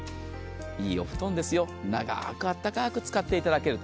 いいお布団ですよ、長くあったかく使っていただける。